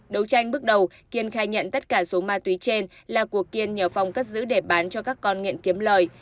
đấu tranh bước đầu kiên khai nhận tất cả số ma túy trên là của kiên nhờ phong cất giữ để bán cho các con nghiện kiếm lời